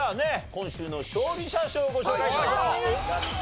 今週の勝利者賞ご紹介しましょう。